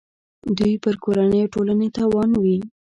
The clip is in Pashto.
دوی پر کورنۍ او ټولنې تاوان وي.